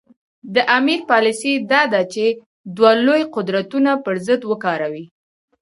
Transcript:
د امیر پالیسي دا ده چې دوه لوی قدرتونه پر ضد وکاروي.